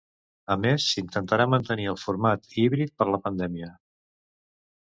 A més, s'intentarà mantenir el format híbrid per la pandèmia.